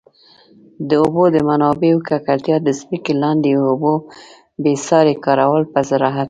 د اوبو د منابعو ککړتیا، د ځمکي لاندي اوبو بي ساري کارول په زراعت.